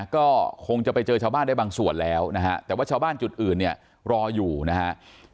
ก็คงจะไปเจอชาวบ้านได้บางส่วนแล้วนะฮะแต่ว่าชาวบ้านจุดอื่นเนี่ยรออยู่นะฮะ